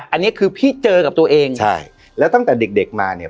อันนี้คือพี่เจอกับตัวเองใช่แล้วตั้งแต่เด็กเด็กมาเนี่ย